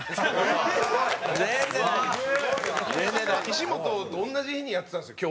西本と同じ日にやってたんですよ